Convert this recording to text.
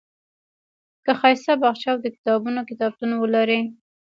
که ښایسته باغچه او د کتابونو کتابتون ولرئ.